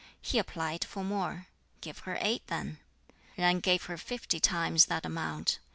He applied for more. "Give her eight, then." Yen gave her fifty times that amount.